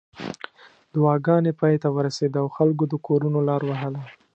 دعاګانې پای ته ورسېدې او خلکو د کورونو لار وهله.